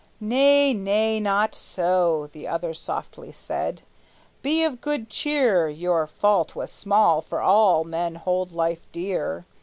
"Nay, nay, not so," The other softly said. "Be of good cheer; Your fault was small, for all men hold life dear.